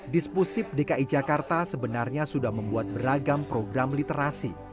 dispusip dki jakarta sebenarnya sudah membuat beragam program literasi